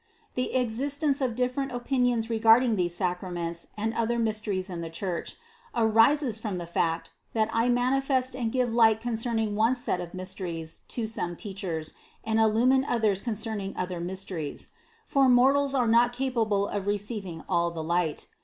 75. "The existence of different opinions regarding these sacraments and other mysteries in the Church, arises from the fact that I manifest and give light con cerning one set of mysteries to some teachers, and illumine others concerning other mysteries; for mortals are not capable of receiving all the light.